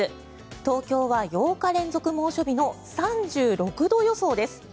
東京は８日連続の猛暑日の３６度予想です。